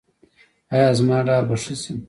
ایا زما ډار به ښه شي؟